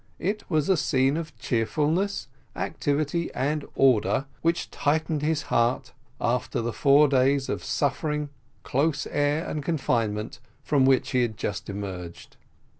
It was a scene of cheerfulness, activity, and order, which lightened his heart after the four days of suffering, close air, and confinement, from which he had just emerged.